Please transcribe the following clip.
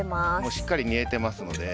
しっかり煮えていますので。